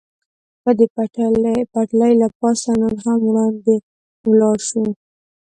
که د پټلۍ له پاسه نور هم وړاندې ولاړ شو.